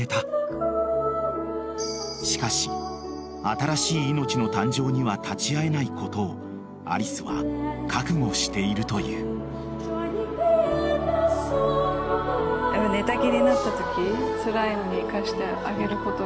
［しかし新しい命の誕生には立ち会えないことをアリスは覚悟しているという］と言っているわ。